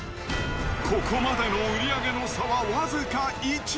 ここまでの売り上げの差は僅か１。